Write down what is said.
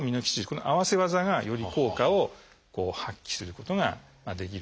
この合わせ技がより効果を発揮することができるというわけですね。